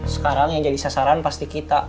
sekarang yang jadi sasaran pasti kita